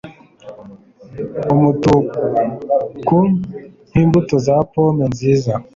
Umutuku nk'imbuto za pomme nziza